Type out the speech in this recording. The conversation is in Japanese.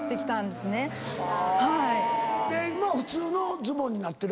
今は普通のズボンになってる？